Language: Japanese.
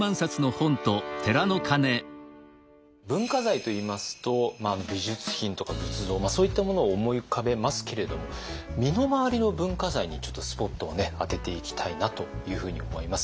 文化財といいますと美術品とか仏像そういったものを思い浮かべますけれども身の回りの文化財にちょっとスポットを当てていきたいなというふうに思います。